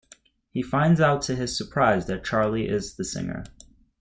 He finds out to his surprise that Charlie is the singer.